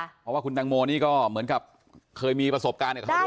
เพราะว่าคุณตังโมนี่ก็เหมือนกับเคยมีประสบการณ์กับเขาด้วย